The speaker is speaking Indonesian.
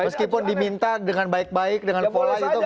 meskipun diminta dengan baik baik dengan pola itu